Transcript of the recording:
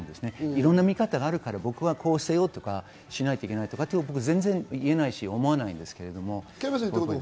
いろんな見方があるから、僕はこうしないといけないとか、そういうことは言えないし思わないんですが。